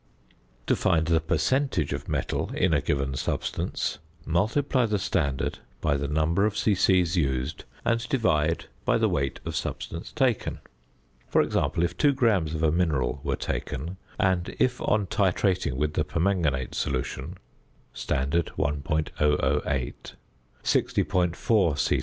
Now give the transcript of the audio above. To find the percentage of metal in a given substance: Multiply the standard by the number of c.c. used and divide by the weight of substance taken. For example: if 2 grams of a mineral were taken, and if on titrating with the permanganate solution (standard 1.008) 60.4 c.c.